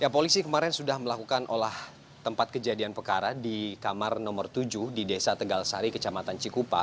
polisi kemarin sudah melakukan olah tempat kejadian perkara di kamar nomor tujuh di desa tegal sari kecamatan cikupa